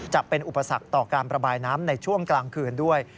จะเป็นอุปสรรคต่อการประบายน้ำในช่วงกลางคืนด้วย